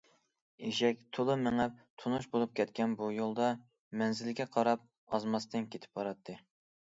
ئېشەك تولا مېڭىپ تونۇش بولۇپ كەتكەن بۇ يولدا مەنزىلگە قاراپ ئازماستىن كېتىپ باراتتى.